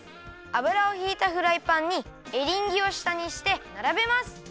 あぶらをひいたフライパンにエリンギをしたにしてならべます。